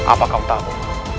apa kau tahu